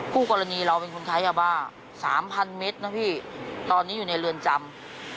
คู่กรณีเราเป็นคนค้ายาบ้า๓๐๐เมตรนะพี่ตอนนี้อยู่ในเรือนจำ